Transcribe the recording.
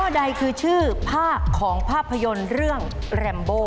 ใดคือชื่อภาคของภาพยนตร์เรื่องแรมโบ